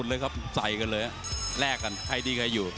เลยครับใส่กันเลยแลกกันใครดีใครอยู่